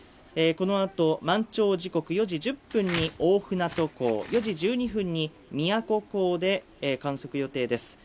この後、満潮時刻４時１０分に大船渡港４時１２分に宮古港で観測予定です。